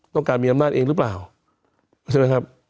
ต้องการมีอำนาจเองหรือเปล่าใช่ไหมครับ